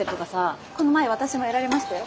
この前私もやられましたよ